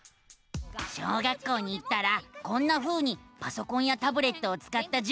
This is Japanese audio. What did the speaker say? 小学校に行ったらこんなふうにパソコンやタブレットをつかったじゅぎょうがあるのさ！